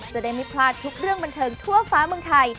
จะได้ไม่พลาดทุกเรื่องบันเทิงทั่วฟ้าเมืองไทย